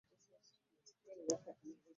Buli we mutuukira waba walungi.